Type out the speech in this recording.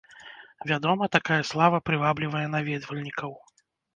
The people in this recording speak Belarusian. Вядома, такая слава прываблівае наведвальнікаў.